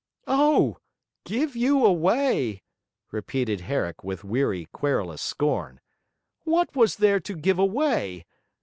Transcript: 'Oh! give you away!' repeated Herrick with weary, querulous scorn. 'What was there to give away?